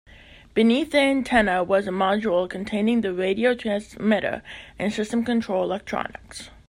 Beneath the antenna was a module containing the radio transmitter and system control electronics.